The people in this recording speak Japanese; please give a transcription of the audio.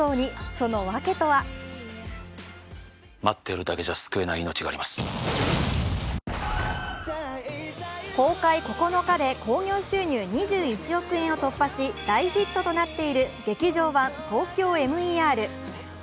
その訳とは公開９日で興行収入２１億円を突破し大ヒットとなっている「劇場版ＴＯＫＹＯＭＥＲ」。